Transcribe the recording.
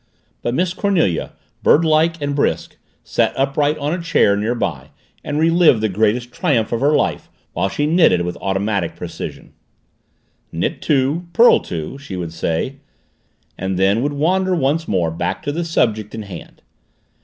But Miss Cornelia, birdlike and brisk, sat upright on a chair near by and relived the greatest triumph of her life while she knitted with automatic precision. "Knit two, purl two," she would say, and then would wander once more back to the subject in hand.